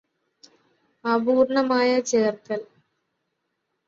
അപൂര്ണ്ണമായ ചേര്ക്കല്